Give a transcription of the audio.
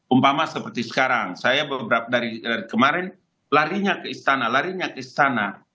umpama seperti sekarang saya beberapa dari kemarin larinya ke istana larinya ke istana